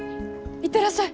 行ってらっしゃい！